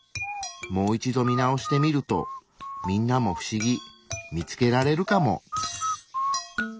もう一度見直してみるとみんなも不思議見つけられるかも。